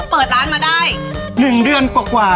เปิดร้านมาได้๑เดือนกว่า